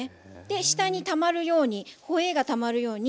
下にたまるようにホエーがたまるように。